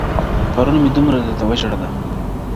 پرون مي دومره درته وژړله.